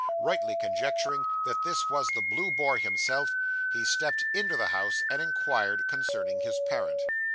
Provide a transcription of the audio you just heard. Rightly conjecturing that this was the Blue Boar himself, he stepped into the house, and inquired concerning his parent.